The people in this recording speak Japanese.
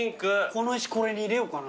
この石これに入れようかな。